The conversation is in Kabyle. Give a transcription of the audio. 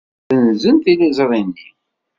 Ssenzen tiliẓri-nni.